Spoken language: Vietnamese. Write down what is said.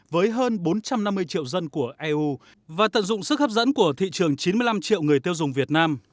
với hơn bốn trăm năm mươi triệu dân của eu và tận dụng sức hấp dẫn của thị trường chín mươi năm triệu người tiêu dùng việt nam